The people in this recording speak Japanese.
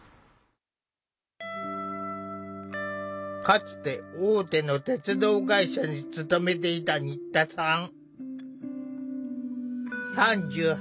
かつて大手の鉄道会社に勤めていた新田さん。